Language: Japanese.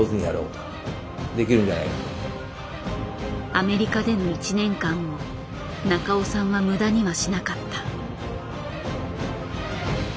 アメリカでの１年間を中尾さんは無駄にはしなかった。